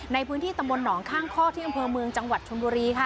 ในพื้นที่ตำบลหนองข้างข้อที่อำเภอเมืองจังหวัดชนบุรีค่ะ